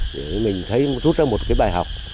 thì mình thấy rút ra một cái bài học